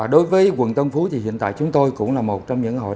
đối với quận tân phú thì hiện tại chúng tôi cũng là một trong những hội